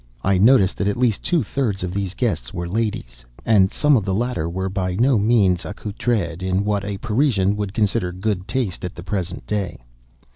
I noticed that at least two thirds of these guests were ladies; and some of the latter were by no means accoutred in what a Parisian would consider good taste at the present day.